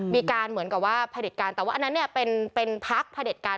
มีการเหมือนกับว่าพระเด็จการแต่ว่าอันนั้นเนี่ยเป็นพรรคพระเด็จการ